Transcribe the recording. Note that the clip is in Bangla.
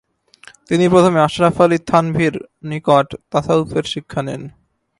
তিনি প্রথমে আশরাফ আলী থানভীর নিকট তাসাউফের শিক্ষা নেন।